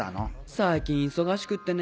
最近忙しくってね。